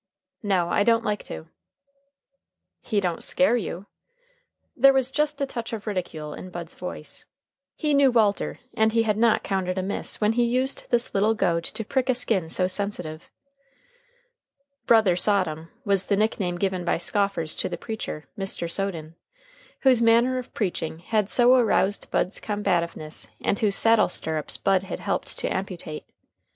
"No, I don't like to." "He don't scare you?" There was just a touch of ridicule in Bud's voice. He knew Walter, and he had not counted amiss when he used this little goad to prick a skin so sensitive. "Brother Sodom" was the nickname given by scoffers to the preacher Mr. Soden whose manner of preaching had so aroused Bud's combativeness, and whose saddle stirrups Bud had helped to amputate.